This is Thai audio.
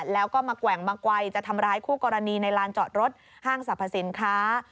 แล้วก็มาแกว่งมาไกลจะทำร้ายคู่กรณีในลานจอดรถห้างสรรพสินค้า